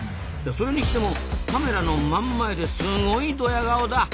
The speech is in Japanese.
それにしてもカメラの真ん前ですごいドヤ顔だ。